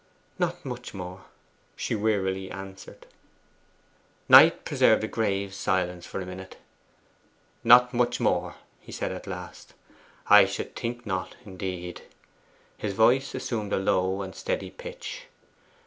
'Not much more,' she wearily answered. Knight preserved a grave silence for a minute. '"Not much more,"' he said at last. 'I should think not, indeed!' His voice assumed a low and steady pitch.